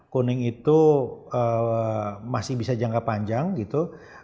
kuning itu masih bisa jangka panjang gitu